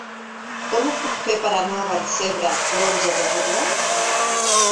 Com ho puc fer per anar a Vallcebre l'onze de juliol?